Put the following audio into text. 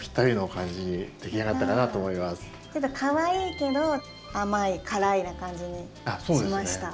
かわいいけど甘い辛いな感じにしました。